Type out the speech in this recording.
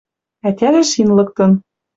Ӓтяжӹ шин лыктын.